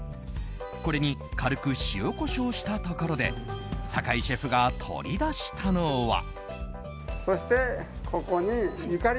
これに軽く塩、コショウしたところで坂井シェフが取り出したのは。